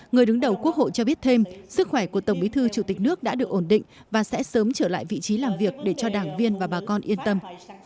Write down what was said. người đứng đầu quốc hội cho biết thêm sức khỏe của tổng bí thư chủ tịch nước đã được ổn định và sẽ sớm trở lại vị trí làm việc để cho đảng viên và bà con yên tâm